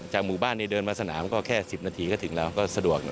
หมู่บ้านเดินมาสนามก็แค่๑๐นาทีก็ถึงแล้วก็สะดวก